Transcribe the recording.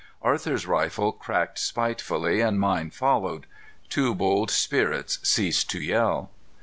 Arthur's rifle cracked spitefully, and mine followed. Two bold spirits ceased to yell.